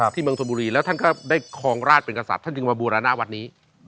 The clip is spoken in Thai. เมืองชนบุรีแล้วท่านก็ได้ครองราชเป็นกษัตริย์ท่านจึงมาบูรณาวัดนี้